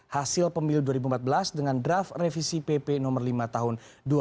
hasil pemilu dua ribu empat belas dengan draft revisi pp no lima tahun dua ribu sembilan belas